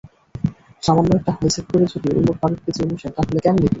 সামান্য একটা হাইজ্যাক করে যদি ওমর ফারুককে চেয়ে বসেন তাহলে কেমন কী?